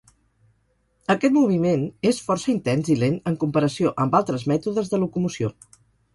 Aquest moviment és força intens i lent en comparació amb altres mètodes de locomoció.